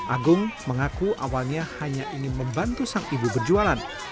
agung mengaku awalnya hanya ingin membantu sang ibu berjualan